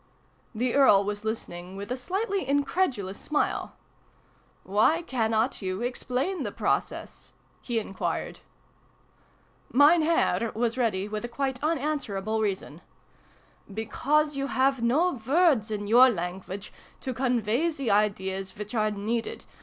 The Earl was listening with a slightly in credulous smile. " Why cannot you explain the process ?" he enquired. Mein Herr was ready with a quite unanswer able reason. " Because you have no ivords, in your language, to convey the ideas which are needed.